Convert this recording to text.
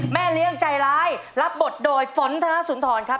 แม่เลี้ยงใจร้ายรับบทโดยฝนธนสุนทรครับ